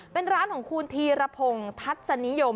เป็นร้านของคุณธีรพงศ์ทัศนิยม